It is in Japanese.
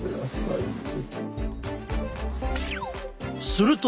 すると！